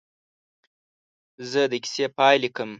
زه د کیسې پاې لیکم.